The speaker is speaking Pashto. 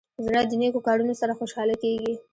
زړه د نیکو کارونو سره خوشحاله کېږي.